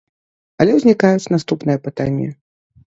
Але ўзнікаюць наступныя пытанні.